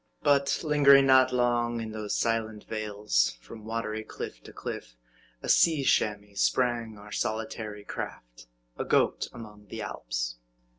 But, lingering not long in those silent vales, from watery cliff to cliff, a sea chamois, sprang our solitary craft, a goat among the Alps